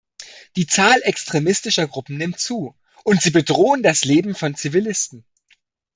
Die Zahl extremistischer Gruppen nimmt zu, und sie bedrohen das Leben von Zivilisten.